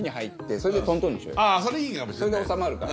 それで収まるから。